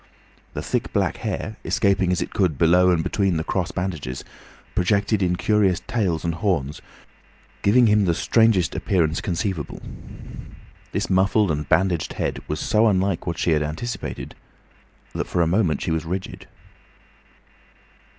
The thick black hair, escaping as it could below and between the cross bandages, projected in curious tails and horns, giving him the strangest appearance conceivable. This muffled and bandaged head was so unlike what she had anticipated, that for a moment she was rigid.